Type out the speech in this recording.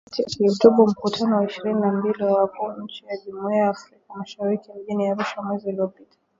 Wakati akihutubia Mkutano wa ishirini na mbili wa Wakuu wa Nchi wa Jumuiya ya Afrika Mashariki mjini Arusha mwezi uliopita